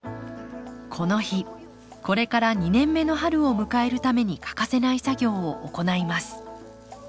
この日これから２年目の春を迎えるために欠かせない作業を行います。